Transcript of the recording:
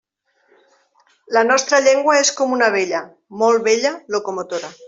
La nostra llengua és com una vella, molt vella, locomotora.